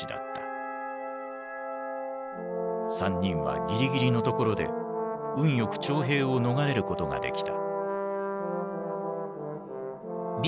３人はぎりぎりのところで運よく徴兵を逃れることができた。